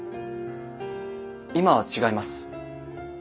今は違います。